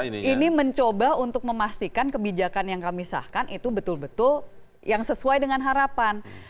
tapi ini mencoba untuk memastikan kebijakan yang kami sahkan itu betul betul yang sesuai dengan harapan